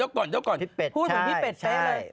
พูดเหมือนพี่เป็ดเป๊ะเลย